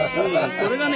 それがね